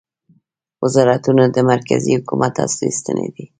وزارتونه د مرکزي حکومت اصلي ستنې دي